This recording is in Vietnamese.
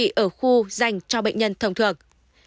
điều trị ở khu dành cho bệnh nhân thông thường